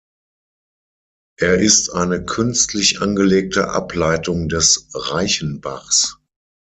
Er ist eine künstlich angelegte Ableitung des Reichenbachs.